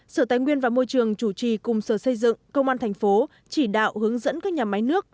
sở tài nguyên và môi trường chủ trì cùng sở xây dựng công an thành phố chỉ đạo hướng dẫn các nhà máy nước